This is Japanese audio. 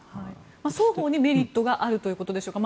双方にメリットがあるということでしょうか。